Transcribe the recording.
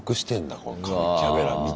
このキャメラ見て。